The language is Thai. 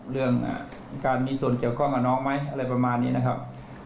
เรื่องการมีส่วนเกี่ยวข้องกับน้องไหมอะไรประมาณนี้นะครับ